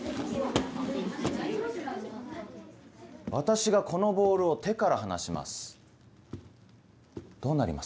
私がこのボールを手から離しますどうなりますか？